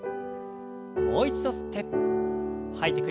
もう一度吸って吐いて。